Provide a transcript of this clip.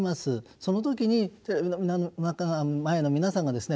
その時にテレビの前の皆さんがですね笑っていただける。